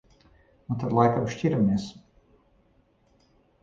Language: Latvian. Nu tad laikam šķiramies.